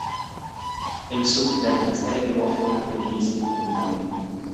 El sub la densaj brovoj brilis fulmoj.